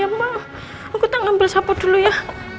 ya maaf aku tak ngambil sapu dulu ya